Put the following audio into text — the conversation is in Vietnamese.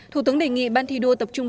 thủ tướng đề nghị ban thi đua tập trung